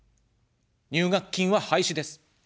入学金は廃止です。